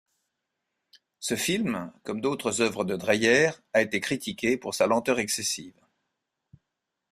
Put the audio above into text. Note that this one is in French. Ce film, comme d'autres œuvres de Dreyer, a été critiqué pour sa lenteur excessive.